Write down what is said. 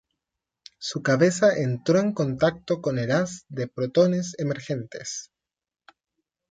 Su cabeza entró en contacto con el haz de protones emergentes.